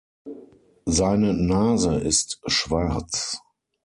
Seine Nase ist schwarz.